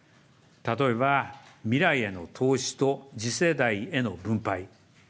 例えば、未来への投資と、次世代への分配。